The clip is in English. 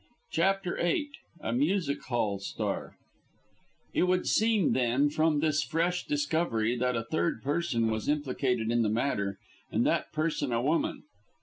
CHAPTER VIII A MUSIC HALL STAR It would seem, then, from this fresh discovery, that a third person was implicated in the matter, and that person a woman.